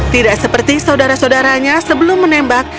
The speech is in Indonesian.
tidak seperti saudara saudaranya sebelumnya